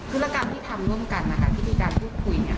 ธุรกรรมที่ทำร่วมกันนะคะที่มีการพูดคุยเนี่ย